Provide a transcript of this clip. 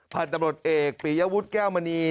พันธุ์ตำรวจเอกปียวุฒิแก้วมณี